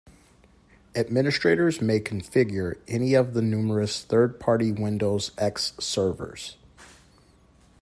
Administrators may configure any of the numerous third-party Windows X servers.